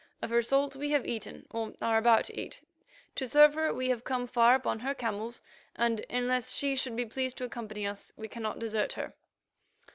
Of her salt we have eaten, or are about to eat; to serve her we have come from far upon her camels, and, unless she should be pleased to accompany us, we cannot desert her."